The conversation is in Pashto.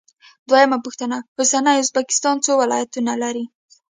دویمه پوښتنه: اوسنی ازبکستان څو ولایتونه لري؟